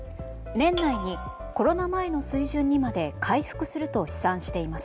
年内にコロナ前の水準にまで回復すると試算しています。